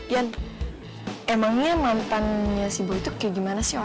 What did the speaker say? yan emangnya mantannya si boy itu kayak gimana